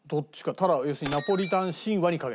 ただ要するにナポリタン神話にかけた。